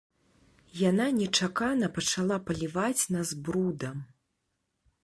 Яна нечакана пачала паліваць нас брудам.